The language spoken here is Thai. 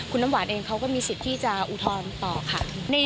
คุณน้ำหวานเองเขาก็มีสิทธิ์ที่จะอุทธรณ์ต่อค่ะ